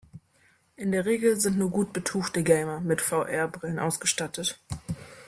In der Regel sind nur gut betuchte Gamer mit VR-Brillen ausgestattet.